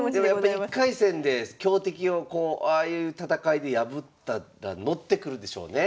やっぱ１回戦で強敵をこうああいう戦いで破っただから乗ってくるでしょうね。